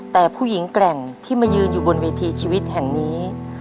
แต่ผู้หญิงแกร่งที่มายืนอยู่บนเวทีชีวิตแห่งนี้